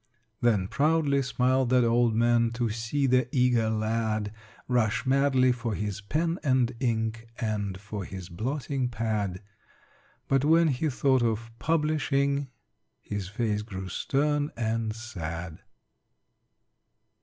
Then proudly smiled that old man To see the eager lad Rush madly for his pen and ink And for his blotting pad But, when he thought of publishing, His face grew stern and sad.